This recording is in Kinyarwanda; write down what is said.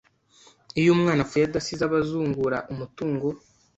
Iyo umwana apfuye adasize abazungura umutungo